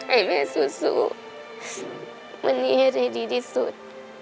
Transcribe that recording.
ให้แม่สู้วันนี้ให้ดีที่สุด